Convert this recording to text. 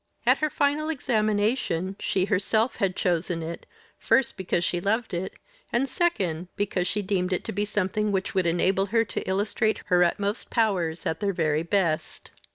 At her final examination she herself had chosen it, first because she loved it, and, second, because she deemed it to be something which would enable her to illustrate her utmost powers at their very best.